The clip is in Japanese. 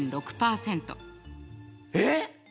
えっ？